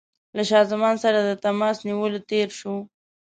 له زمانشاه سره د تماس نیولو تېر شو.